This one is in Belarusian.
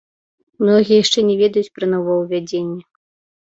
Многія яшчэ не ведаюць пра новаўвядзенне.